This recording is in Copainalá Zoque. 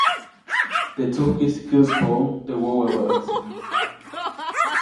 Teʼ tsujkʼis kyäʼspäʼuʼuŋ teʼ wäwäbä ʼäjksi.